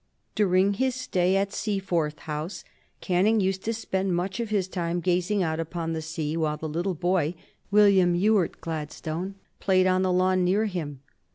During his stay at Seaforth House, Canning used to spend much of his time gazing out upon the sea, while the little boy William Ewart Gladstone played on the lawn near him.